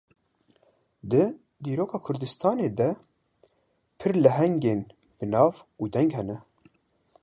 Di dîroka Kurdistanê de pir lehengên bi nav û deng hene